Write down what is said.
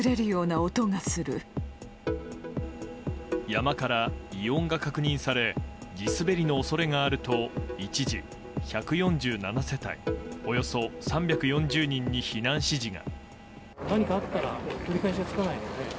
山から異音が確認され地滑りの恐れがあると一時１４７世帯およそ３４０人に避難指示が。